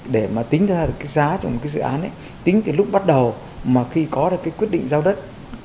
để mà tính ra cái giá trong cái dự án ấy tính từ lúc bắt đầu mà khi có ra cái quyết định giao đất